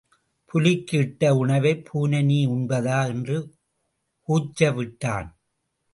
புலிக்கு இட்ட உணவைப் பூனை நீ உண்பதா? என்று கூச்சவிட்டான்.